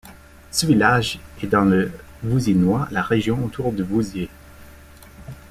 Ce village est dans le Vouzinois, la région autour de Vouziers.